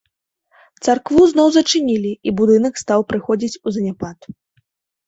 Царкву зноў зачынілі, і будынак стаў прыходзіць у заняпад.